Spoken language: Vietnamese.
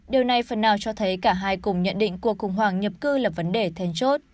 điều này phần nào cho thấy cả hai cùng nhận định cuộc khủng hoảng nhập cư là vấn đề then chốt